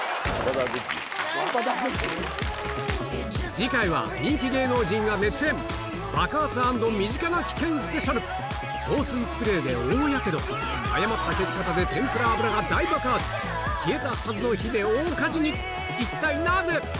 次回は人気芸能人が熱演爆発＆身近な危険ＳＰ防水スプレーで大やけど誤った消し方で天ぷら油が大爆発消えたはずの火で大火事に一体なぜ？